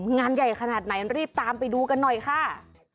งานใหญ่ขนาดไหนรีบตามไปดูกันหน่อยค่ะ